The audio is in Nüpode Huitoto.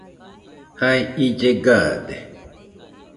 Jae ille gaade.